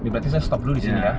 berarti saya stop dulu di sini ya